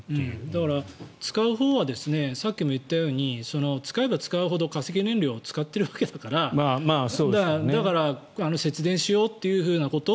だから使うほうはさっきも言ったように使えば使うほど化石燃料を使ってるわけだからだから、節電しようということ。